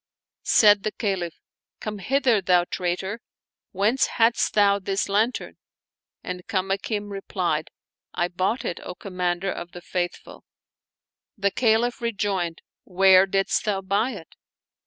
Said the Caliph, " Come hither, thou traitor : whence hadst thou this lantern?" and Kamakim replied, "I bought it, O Commander of the Faithful 1" The Caliph rejoined, "Where didst thou buy it?"